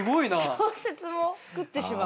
小節も食ってしまう？